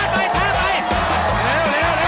มันเข้าหยอดนะ